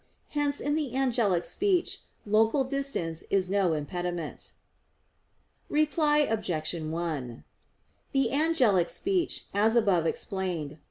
Hence in the angelic speech local distance is no impediment. Reply Obj. 1: The angelic speech, as above explained (A.